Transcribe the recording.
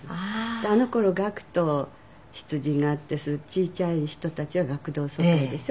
であの頃学徒出陣があって小ちゃい人たちは学童疎開でしょ。